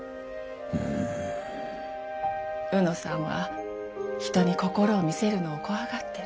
卯之さんは人に心を見せるのを怖がってる。